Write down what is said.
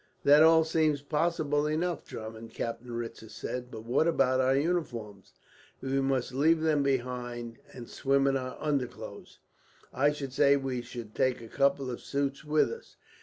"That all seems possible enough, Drummond," Captain Ritzer said; "but what about our uniforms?" "We must leave them behind, and swim in our underclothes. I should say we should take a couple of suits with us.